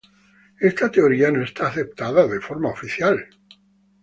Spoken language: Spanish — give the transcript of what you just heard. Esta teoría no está aceptada de forma oficial.